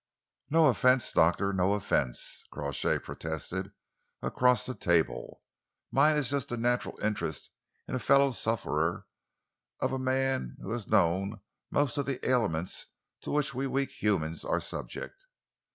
"No offence, Doctor no offence," Crawshay protested across the table. "Mine is just the natural interest in a fellow sufferer of a man who has known most of the ailments to which we weak humans are subject."